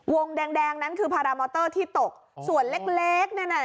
วงแดงแดงนั้นคือพารามอเตอร์ที่ตกส่วนเล็กเล็กเนี่ยน่ะ